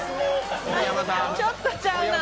ちょっとちゃうな。